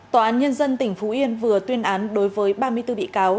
tòa án nhân dân tỉnh phú yên vừa tuyên án đối với ba mươi bốn bị cáo